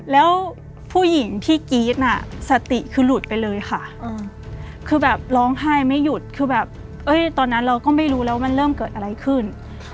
แล้วผู้หญิงที่กรี๊ดน่ะสติคือหลุดไปเลยค่ะคือแบบร้องไห้ไม่หยุดคือแบบตอนนั้นเราก็ไม่รู้แล้วมันเริ่มเกิดอะไรขึ้น